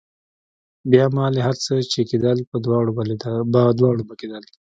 بيا مالې هر څه چې کېدل په دواړو به کېدل.